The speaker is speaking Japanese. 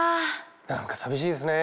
何か寂しいですね。